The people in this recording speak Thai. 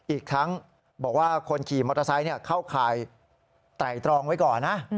อีกทั้งบอกว่าคนขี่มอเตอร์ไซค์เข้าข่ายไตรตรองไว้ก่อนนะ